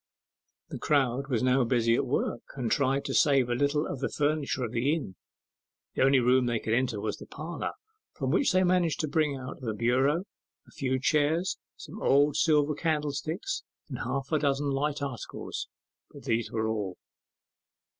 The crowd was now busy at work, and tried to save a little of the furniture of the inn. The only room they could enter was the parlour, from which they managed to bring out the bureau, a few chairs, some old silver candlesticks, and half a dozen light articles; but these were all.